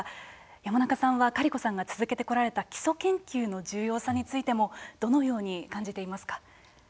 山中さんはカリコさんが続けてこられた基礎研究の重要さについてもどのように感じていますか。